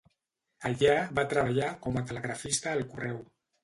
Allà va treballar com a telegrafista al correu.